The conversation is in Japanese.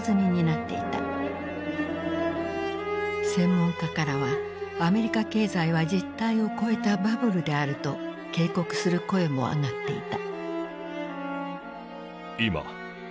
専門家からはアメリカ経済は実体を超えたバブルであると警告する声も上がっていた。